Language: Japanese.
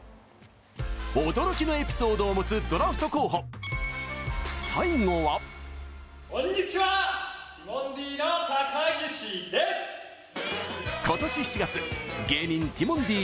驚きのエピソードを持つドラフト候補、最後は今年７月芸人・ティモンディ